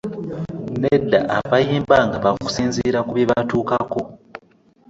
Nedda bayimba nga bakusinziira kubibatuukako.